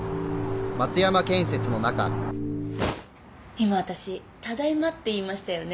今私「ただいま」って言いましたよね。